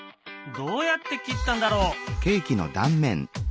どうやって切ったんだろう？